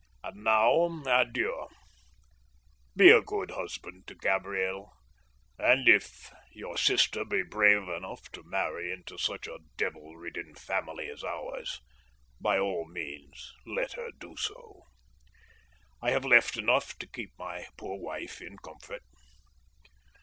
And now, adieu! Be a good husband to Gabriel, and, if your sister be brave enough to marry into such a devil ridden family as ours, by all means let her do so. I have left enough to keep my poor wife in comfort.